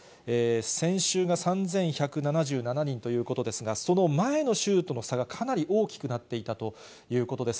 先週が３１７７人ということですが、その前の週との差がかなり大きくなっていたということです。